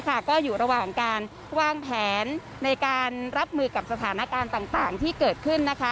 ก็อยู่ระหว่างการวางแผนในการรับมือกับสถานการณ์ต่างที่เกิดขึ้นนะคะ